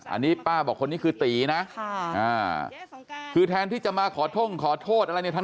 อันนี้ป้าบอกคนนี้คือตีนะคือแทนที่จะมาขอท่งขอโทษอะไรเนี่ย